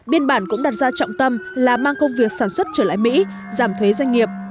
biên bản cũng đặt ra trọng tâm là mang công việc sản xuất trở lại mỹ giảm thuế doanh nghiệp